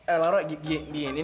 eh laura gini nih